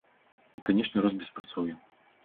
І, канешне, рост беспрацоўя.